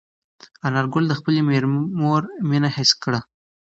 انارګل د خپلې مور مینه حس کړه.